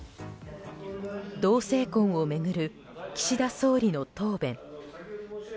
同性婚を巡る岸田総理の答弁。